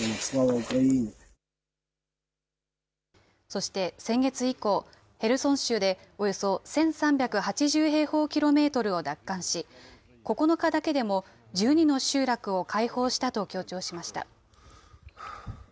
そして、先月以降、ヘルソン州でおよそ１３８０平方キロメートルを奪還し、９日だけでも１２の集落を解放したと強調しました。